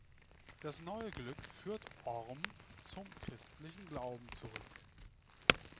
Das neue Glück führt Orm zum christlichen Glauben zurück.